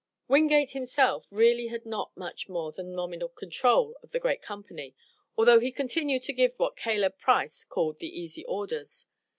Wingate himself really had not much more than nominal control of the general company, although he continued to give what Caleb Price called the easy orders.